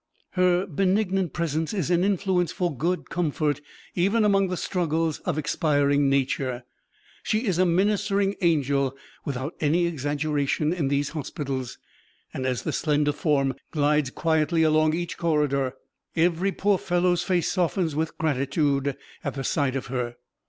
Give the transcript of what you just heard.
Her benignant presence is an influence for good comfort even among the struggles of expiring nature. She is a 'ministering angel' without any exaggeration in these hospitals, and as the slender form glides quietly along each corridor, every poor fellow's face softens with gratitude at the sight of her.